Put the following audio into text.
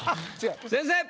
先生！